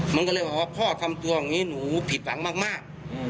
มันก็เลยว่าว่าพ่อทำตัวงี้หนูผิดหังมาก